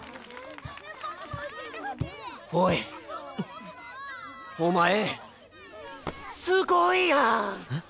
おいお前すごいやん！